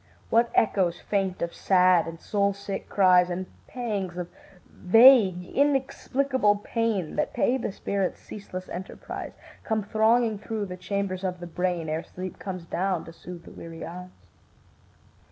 What echoes faint of sad and soul sick cries, And pangs of vague inexplicable pain That pay the spirit's ceaseless enterprise, Come thronging through the chambers of the brain Ere sleep comes down to soothe the weary eyes.